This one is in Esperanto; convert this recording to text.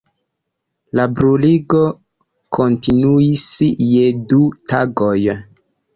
La bruligo kontinuis je du tagoj.